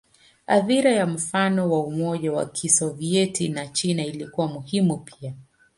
Athira ya mfano wa Umoja wa Kisovyeti na China ilikuwa muhimu pia.